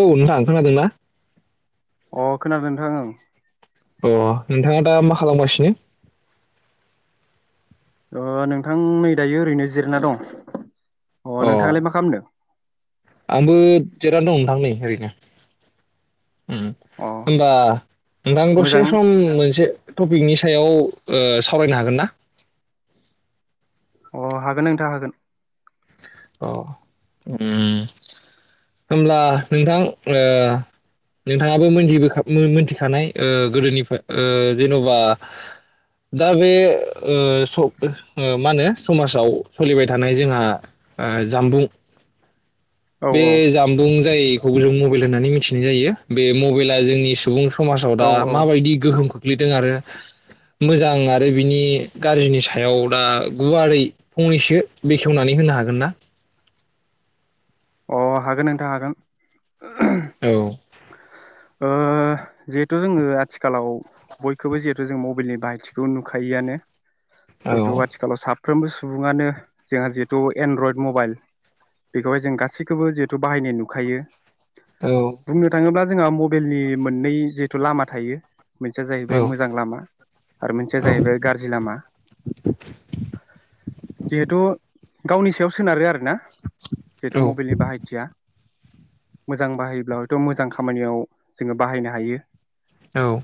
औ नोंथां खोनादोंना? अ खोनादों नोंथां ओं। अ नोंथाङा दा मा खालामगासिनो? ओ नोंथां नै दायो ओरैनो जिरायना दं। अ नोंथाङालाय मा खालामदों? आंबो जिरायना दं नोंथां नै ओरैनो। अ होमबा नोंथां मोजां दसे सम मोनसे टपिकनि सा याव ओ सावरायनो हागोन ना? अ हागोन नोंथां हागोन। अ ओम होमब्ला नोंथां ओ नोंथाङाबो मोनथिबोखा मिथिखानाय ओ गोदोनिफ्राय ओ जेनबा दा बे ओ मा होनो समाजाव सोलिबाय थानाय जोंहा जामबुं औ बे जामबुं जायखौ जों मबाइल होननानै मिथिनाय जायो बे मबाइला जोंनि सुबुं समाजाव दा औ औ माबायदि गोहोम खो ग्लैदों आरो मोजां आरो बिनि गाज्रिनि सायाव दा गुवारै फंनैसो बेखेवनानै होनो हागोन गोन ना? अ हागोन नोंथां हागोन। औ ओ जिहेथु जोंङो आथिखालाव बयखौबो जिहेथु जों मबाइलनि बाहायथिखौ नुखायोआनो जेथु औ आथिखालयाव साफ फ्रोमबो सुंबुङानो जोंहा जिहेथु एनड्रइड मबाइल बेखौहाय जों गासै सैखौबो जिहेथु बाहायनाय नुखायो औ बुंनो थाङोब्ला जोंहा म बेल नि मोननै जे थ लामा थायो मोनसेया जाहैबाय औ मोजां लामा आरो मोनसेया जाहैबाय गाज्रि लाम। जिहेथु गावनि सायाव सोनारो आरो ना थ औ मबाइलनि बाहायथिया मोजां बाहायोब्लाथ मोजां खामानियाव जोंङो बाहायनो हायो। औ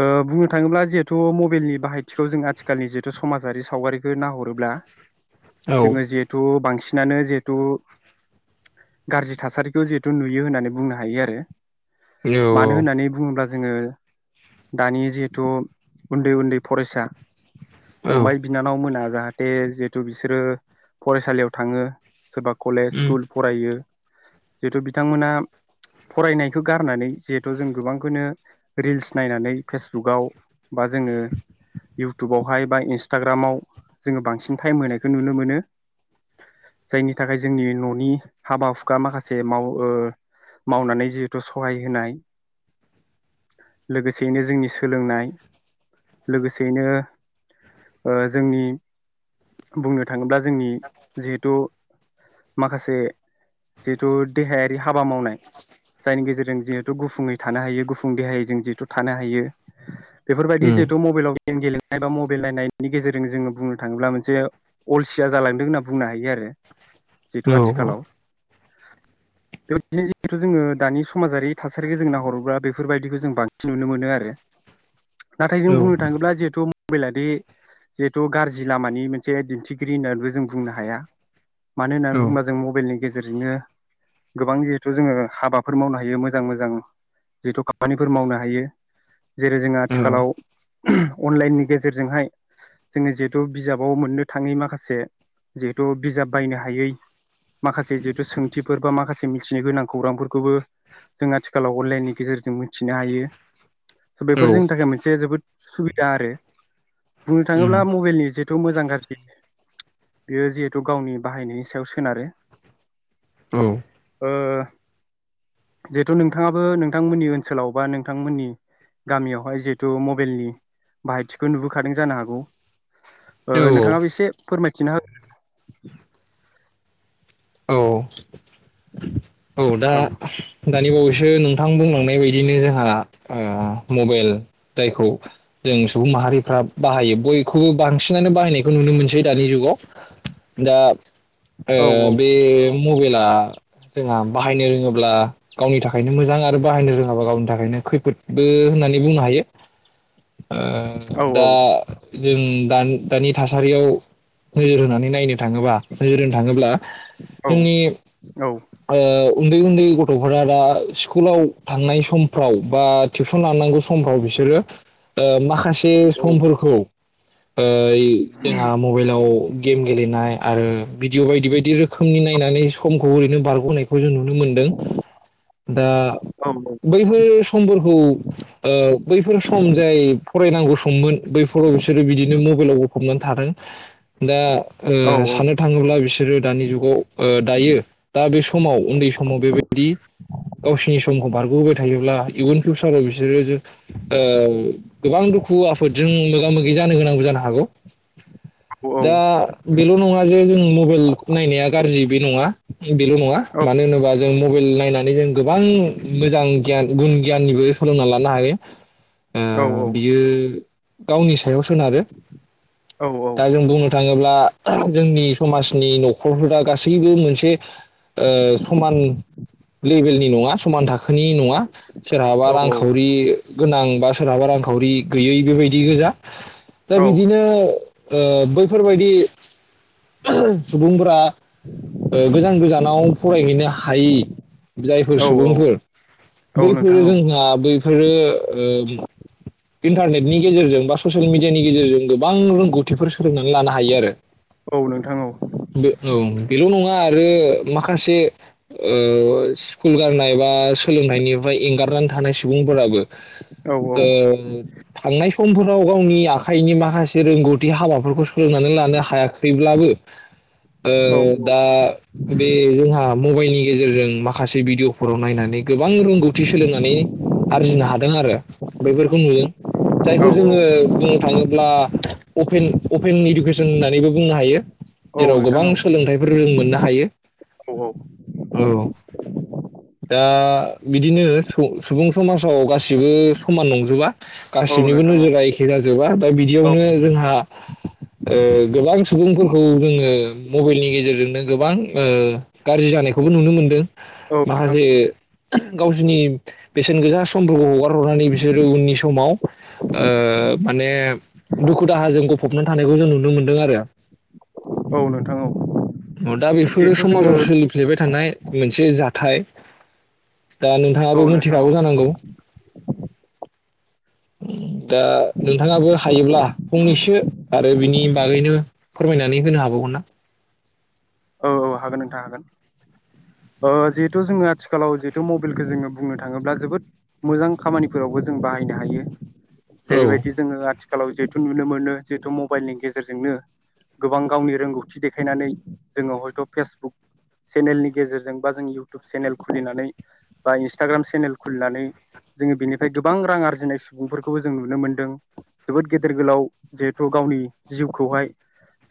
ओ बुंनो थाङोब्ला जिहेथु मबाइलनि बाहायथिखौ जों आथिखालनि जिहेथु समाजारि सावगारिखो नाहरोब्ला जोंङो जिहेथु बांसि नानो जिहे थु गाज्रि थासारिखौ जिहेथु नुयो होननानै बुंनो हायो आरो। मानो होननानै बुङोब्ला ज जोंङो दानि जिहेथु उन्दै उन्दै फरायसा औ फंबाय, बिनानाव मोना जाहाथे जिहेथु बिसोरो फरायसालियाव थांङो सोरबा कलेज औ स्कुल फरायो जिहेथु बिथांमोना फरायनायखौ गारनानै जिहेथु जों गोबांखौनो रिल्स नायनानै फेसबुकाव बा जोंङो इउटुबावहाय बा इन्स्टाग्रामाव जोंङो बांसिन टाइम होनायखौ नुनो मोनो। जायनि थाखाय जोंनि न'नि हाबा हुखा माखासे माव ओ मावनानै जिहेथु सहाय होनाय लोगोसेयैनो जोंनि सोलोंनाय लोगोसेयैनो ओ जोंनि बुंनो थाङोब्ला जोंनि जिहेथु माखासे जिहेथु देहायारि हाबा मावनाय जायनि गेजेरजों जिहेथु गुफुंङै थानो हायो गुफुं देहायै जों जिहेथु थानो हायो उम बेफोरबायदि जिहेथु मबाइलाव गेम गेलेनाय बा मबाइल नायनायनि गेजेरजों जोंङो बुंनो थाङोब्ला मोनसे अलसिया जालांदों होनना बुंनो हायो आरो। औ जिथु आथिखालाव [unintelligible] जिहेथु जोंङो दानि समाजारि थासारिखौ जों नाहरोब्ला बेफोरबायदिखौ जों बांसिन नुनो मोनो आरो। नाथाय जों बुंनो थाङोब्ला जिहेथु मबाइलादि जिहेथु गाज्रि लामानि मोनसे दिन्थिगिरि होननानैबो जों बुंनो हाया। मानो औ होननानै बुङोबा जों मबाइलनि गेजेरजोंनो गोबां जिहेथु जोंङो हाबाफोर मावनो हायो मोजां मोजां जिहेथु खामानिफोर मावनो हायो। जेरै जोंङो आथिखालाव अनलाइननि गेजेरजोंहाय जोंङो जिहेथु बिजाबाव मोननो थांङै माखासे जिहे थे बिजाब बायनो हायै माखासे जिहेथु सोंथिफोर बा माखासे मिथिनो गोनां खौरांफोरखौबो जों आथिखालाव अनलाइननि गेजेरजों मिथिनो हायो स औ बेफोर जोंनि थाखाय मोनसे जोबोद सुबिदा आरो बुंनो उम थाङोब्ला मबाइलनि जिहेथु मोजां गाज्रि बेयो जि थु गावनि बाहायनायनि सायाव सोनारो औ ओ जिहेथु नोंथाङाबो नोंथांमोननि ओनसोलाव बा नोंथांमोननि गामियावहाय जिहेथु मबाइलनि बाहायथिखौ नुबोखादों जानो हागौ। औ नोंथांङाबो एसे फोरमायथिना हो औ दा दानि बावै सो नोंथां बुंलांनाय बायदिनो जाहा ओ मबाइल जायखौ जों सुबुं माहारिफ्रा बाहायो बयखौबो बांसिनानो बाहायनायखौ नुनो मोनसै दानि जुगाव दा आ औ बे मबेल आ बाहायनो रोङोब्ला गावनि थाखायनो मोजां आरो बाहायनो रोङाबा गावनि थाखायनो खैफोदबो होननानै बुंनो हायो ओ औ दा जों दानि थासारियाव नोजोर होनानै नायनो थाङोब्ला नोरजों होनो थाङोब्ला औ जोंनि औ उन्दै उन्दै गथ'फोरा दा स्कुलाव थांनाय समफ्राव बा टिउसन लानांगौ समफ्राव बिसोरो ओ मा खासे औ समफोरखौ ओ जोंहा मबाइलाव गेम गेलेनाय आरो भिडिअ बायदि बायदि रोखोमनि नायनानै समखौ ओरैनो बारगनाय खौ जों नुनो मोनदों दा औ बैफोर समफोरखौ बैफोर सम जाय फरायनांगौ सममोन बैफोराव बिसोरो बिदिनो मबाइलाव गफबनानै थादों दा ओ साननो थाङोब्ला बिसोरो दानि जुगाव दायो दा बे सम समाव उन्दै समाव बेबायदि गावसोरनि समखौ बारगहोबाय थायोब्ला इुउन फिउसाराव बिसोरो ओ गोबां दुखु आफोदजों मोगा मोगि जानो गोनांबो जानो हागौ। दा बेल' नङा जे जों मबाइल नायनाया गाज्रि बे नङा। बेल' न मानो होनोबा जों मबाइल नायनानै जों गोबां मोजां गियान गुन गियाननिबो सोलोंना लानो हायो। ओ बियो गावनि सायाव सोनारो दा जों बुंनो थाङोब्ला जोंनि समाजनि न'खरफोरा गासैबो मोनसे ओ समान लेभेलनि नङा समान थाखोनि नङा। सोरहाबा रांखावरि गोनां बा सोरहाबा रांखावरि गैयै बेबायदि गोजा। दा औ बिदिनो ओ बैफोरबायदि सुबुंफोरा गोजान गोजान फरायहैनो हायि जायफोर औ सुबुंफोर औ नोंथां बैफोरो जोंहा बै आरो ओ इन्टारनेटनि गेजेरजों बा ससियेल मिडियानि गेजेरजों गोबां रोंगौथिफोर सोलोंनानै लानो हायो आरो। औ नोंथां औ बे औ बेल नङा आरो माखासे ओ सिस्कुल गारनाय बा सोलोंथाइनिफ्राय एंगारनानै थानाय सुबुंफोराबो औ ओ औ थांनाय समफोराव गावनि आखाइनि माखासे रोंगौथि हाबाफोरखौ सोलोंनानै लानो हायाखैब्लाबो ओ औ दा बे जोंहा मबाइलनि गेजेरजों माखासे भिडिअफोराव नायनानै गोबां रोंगौथि सोलोंनानै आरजिनो हादों आरो खौ नुदों जायखौ जोङो बुंनो थाङोब्ला अपेन अपेन इडुकेसन होननानैबो बुंनो हायो औ जेराव नोंथां गोबां औ सोलोंथाइफोर रों मोननो हायो औ औ दा बिदिनो सुब-सुबुं समाजाव गासिबो समान नंजो रुवा औ नोंथां औ गासिनिबो नोंथां नोजोरा एखे जाजोबा दा बिदियावनो जोंहा ओ गोबां सुबुंफोरखौ जोङो मबाइलनि गेजेरजोंनो गोबां गाज्रि जानायखौबो नुनो मोनदों माखासे गावसोरनि बेसेन गोसा समफोरखौ हगा हरनानै बिसोर नि समाव ओ माने दुखु दाहाजों ग फबनानै थानायखौ जों नुनो मोनदों आरो औ नोंथां औ अ दा बेफोरो जिहेथु जोङो समाजाव सोलिफ्लेबाय थानाय मोनसे जा थाइ दा औ नोंथाङाबो नोंथां औ मिथिखागौ जानांगौ उ दा नोंथाङाबो हायोब्ला फंनैसो आरो बिनि बागैनो फोरमायनानै होनो हाबावगोन ना? औ औ हागोन नोंथां हागोन ओ जिहेथु जोङो आथिखालाव जिहेथु मबाइलखौ जोङो बुंनो थाङोब्ला जोबोद मोजां खामानिफोरावबो जों बाहायनो हायो औ जेरैबायदि जोङो आथिखालाव जिहेतु नुनो मोनो जिहेथु मबाइलनि गेजेरजोंनो गोबां गावनि रोंगौथि देखायनानै जोङो हयथ फेसबुक सेनेलनि गेजेरजों बा जों इउटुब सेनेल खुलिनानै बा इन्सटाग्राम सेनेल खुलिनानै जोङो बेनिफ्राय गोबां रां आरजिनाय सुबुंफोरखौबो जों नुनो मोनदों जोबोद गेदेर गोलाव जिहेथु गावनि जिउखौहाय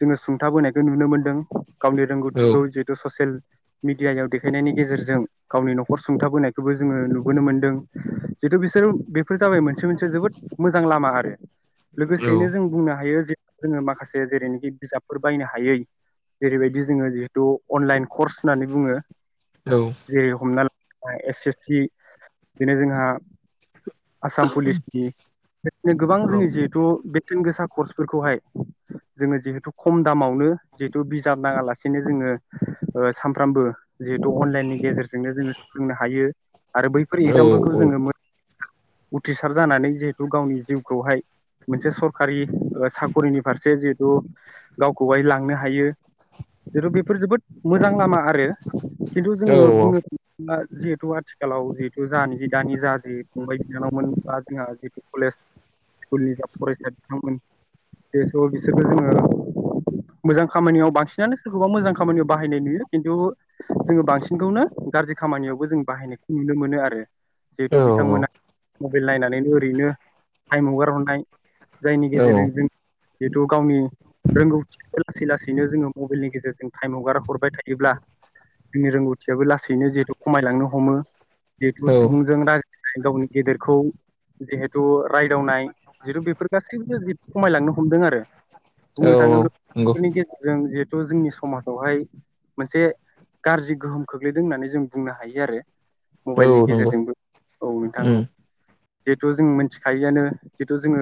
जोङो सुंथाबोनायखौ नुनो मोनदों गावनि औ रोंगौथिखौ जिहेथु ससेयेल मिडियायाव देखायनायनि गेजेरजों गावनि नखर सुंथाबोनायखौबो जोङो नुबोनो मोनदों जितु बिसोर बेफोर जाबाय मोनसे मोनसे जोबोद मोजां लामा आरो औ लोगोसेयैनो जों बुंनो हायो जे जोङो माखासे जेरैनोखि बिजाबफोर बायनो हायै जेरैबायदि जोङो जिहेथु अनलाइन कर्स होननानै बुङो औ जे हमना एस एस सि दिनै जोंहा आसाम पुलिसनि बेदिनो गोबां औ जोंनि जिहेथु बे बेसेन गोसा कर्सफोरखौहाय जोङो जिहेथु खम दामावनो जिहेथु बिजाब नाङा लासेनो जोङो सानफ्रामबो जिहेतु अनलाइननि गेजेरजोंनो जोङो फोरोंनो हायो आरो बैफोर औ एगजामफोरखौ जोङो उथ्रिसार जानानै जिहेथु गावनि जिउखौहाय मोनसे सरखारि साखरिनि फारसे जिहेथु गावखौहाय लांनो हायो जेथु बेफोर जोबोद मोजां लामा आरो खिन्थु जोङो बुंनो थाङोब्ला जिहेथु आथिखालाव जिहेथु जानि दानि जा जि फंबाय बिनानावमोन बा जोंहा जितु कलेज स्कुलनि जा फरायसा बिथांमोन बेस बिसोरबो जोङो मोजां खामानियाव बांसिन बांसिनानो सोरखौबा मोजां खामानियाव बाहायनाय नुयो खिन्थु जोङो बांसिनखौनो गाज्रि खामानियावबो जों बाहायनायखौ नुनो मोनो आरो जिहेथु बिथांमोना मबाइल नायनानैनो ओरैनो थाइम हगार हरनाय जायनि गेजेरजों जों जिथु गावनि रोंगौथिखौ लासै लासैनो जोङो मबाइलनि गेजेरजों टाइम हगार हरबाय थायोब्ला जोंनि रोंगौथियाबो लासैनो जिहेथु खमायलांनो हमो बे [unintelligible] औ [unintelligible] [unintelligible] [unintelligible] गावनि गेदेरखौ जिहेथु राय [unintelligible] नाय जिथु बेफोर गासैबो खमायलांनो हमदों आरो औ बुंनो नंगौ थाङोब्लानि [unintelligible] जों जे जोंनि समाजावहाय मोनसे गाज्रि गोहोम खोख्लैदों होननानै जों बुंनो हायो आरो औ मबाइलनि नंगौ गेजेरजोंबो औ नोंथां औ उम जिहेथु जों मिथिखायिआनो जिहेथु जोङो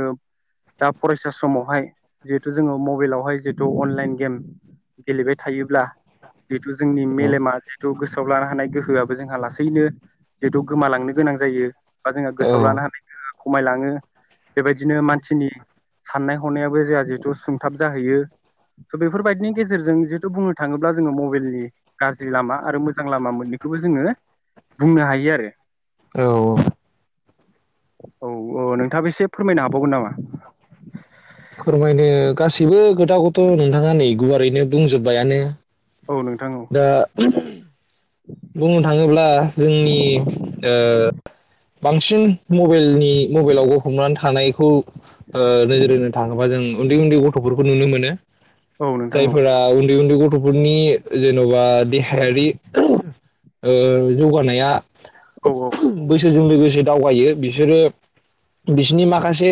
दा फरायसा समावहाय जिहेथु जोङो मबेलावहाय जिहेथु अनलाइन गेम गेलेबाय थायोब्ला जिहेथु जोंनि औ मेलेमा जेथु गोसो सोआव लानो हानाय गोहोआबो जोंहा लासैनो जिहेतु गोमालांनो गोनां जायो बा जोंहा औ गोसोआव लानो हानाय गोहोआ खमायलाङो बेबायदिनो मानसिनि साननाय हनायाबो जोंहा जिहेतु सुंथाब जाहैयो स बेफोरबायदिनि गेजेर जों बुंनो थाङोब्ला जोङो मबाइलनि गाज्रि लामा आरो मोजां लामा मोननैखौबो जोङो बुंनो हायो। औ आरो औ औ नोंथाङा बेसे फोरमायनो हाबावगोन नामा? फोरमायनो [inaudible] खोथाखौथ नोंथांङा नेगौआ ओरैनो बुंजोबबायानो औ नोंथां दा बुंनो थाङोब्ला जोंनि ओ बांसिन मबेलनि मबेलावबो हमन्नान थानायखौ ओ नोजोरहोनो थाङोबा जों उन्दै उन्दै गथ'फोरबो नुनो मोनो। औ औ नोंथां औ जायफोरा उन्दै उन्दै गथ गथफोरनि जेनेबा देहायारि ओ जौगानाया औ बैसोजो लोगो ज दावगायो बिसोरो बिसनि माखासे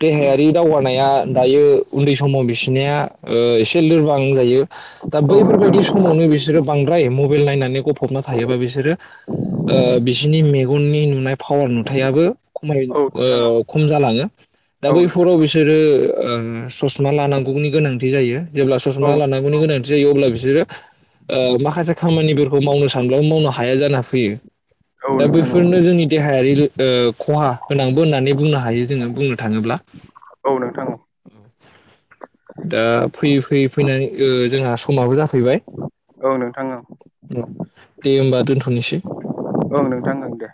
देहायारि दावगानाया दायो उन्दै स समाव बिसिनाया ओ एसे लोरबां जायो। दा औ नोंथां बैफोरबायदि समावनो बिसोरो बांद्राय मबेल नायनानै ग [unintelligible] मा थायोबा बिसोरो ओ बिसोरनि मेगननि नुना पावार नुथायाबो खमाय ओ खम जालाङो दा औ नोंथां औ नोंथां बैफोराव बिसोरो ओम ससमा लानांगौनि गोनांथि जायो। जेब्ला औ ससमा लानांगौनि गोनां जायो अब्ला बिसोरो ओ माखासे खामानिफोरखौ मावनो फानलाव मावनो हाया जाना फैयो औ दा नोंथां औ बेफोरनो जोंनि देहायारि ओ खहा होननांबो होननानै बुंनो हायो जोङो बुंनो थाङोब्ला। औ नोंथां दा फैयै फैयै फैनानै जोंहा समाबो जाफैबाय। औ नोंथां औ औ दे होनोमबा दोन औ नोंथां ओं दे।